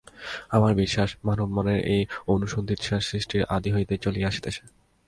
আমার বিশ্বাস মানব-মনের এই অনুসন্ধিৎসা সৃষ্টির আদি হইতেই চলিয়া আসিতেছে।